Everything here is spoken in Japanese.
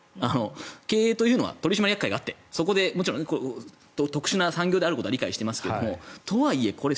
経営というのは取締役会があって特殊な産業であることは理解していますがとはいええ？